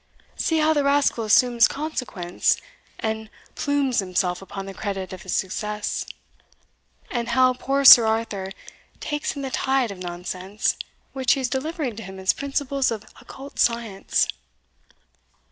See how the rascal assumes consequence, and plumes himself upon the credit of his success, and how poor Sir Arthur takes in the tide of nonsense which he is delivering to him as principles of occult science!"